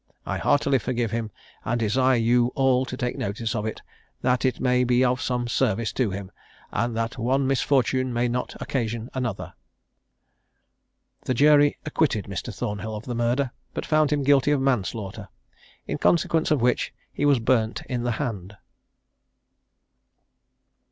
I heartily forgive him, and desire you all to take notice of it, that it may be of some service to him, and that one misfortune may not occasion another." The jury acquitted Mr. Thornhill of the murder, but found him guilty of manslaughter; in consequence of which he was burnt in the hand.